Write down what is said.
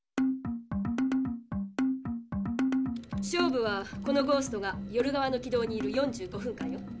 勝負はこのゴーストが夜側の軌道にいる４５分間よ。